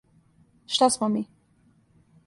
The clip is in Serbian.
Шта смо ми?